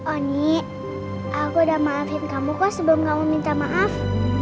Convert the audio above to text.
oni aku udah maafin kamu kok sebelum kamu minta maaf